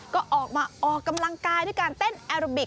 ก็ออกมาออกกำลังกายด้วยการเต้นแอโรบิก